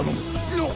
なっ⁉